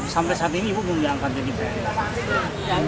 sampai saat ini ibu belum diangkat jadi pn